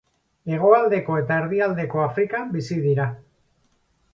Hegoaldeko eta erdialdeko Afrikan bizi dira.